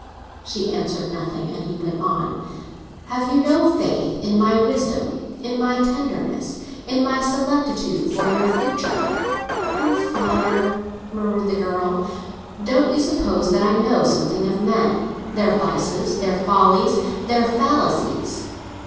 She answered nothing, and he went on. "Have you no faith in my wisdom, in my tenderness, in my solicitude for your future?" "Oh, father!" murmured the girl. "Don't you suppose that I know something of men: their vices, their follies, their falsities?"